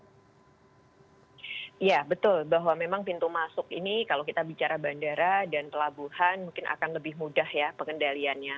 iya betul bahwa memang pintu masuk ini kalau kita bicara bandara dan pelabuhan mungkin akan lebih mudah ya pengendaliannya